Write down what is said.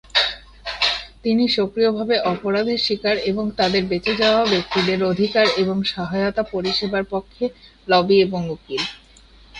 তিনি সক্রিয়ভাবে অপরাধের শিকার এবং তাদের বেঁচে যাওয়া ব্যক্তিদের অধিকার এবং সহায়তা পরিষেবার পক্ষে লবি এবং উকিল।